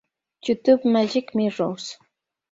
Youtube:Magic mirrors